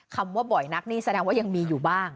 คำว่าบ่อยนักนี่แสดงว่ายังมีอยู่บ้าง